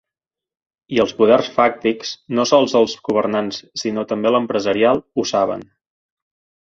I els poders fàctics, no sols els governants sinó també l’empresarial, ho saben.